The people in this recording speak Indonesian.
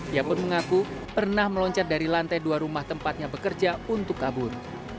ia pun mengaku pernah meloncat dari lantai dua rumah tempatnya bekerja untuk kabur